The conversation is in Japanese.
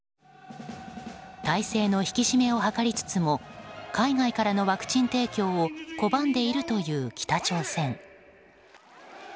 体制の引き締めを図りつつも海外からのワクチン提供を拒んでいるという北朝鮮。